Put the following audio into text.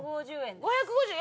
５５０円！